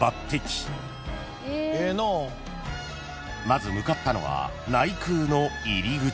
［まず向かったのは内宮の入り口］